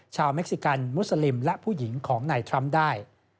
เม็กซิกันมุสลิมและผู้หญิงของนายทรัมป์ได้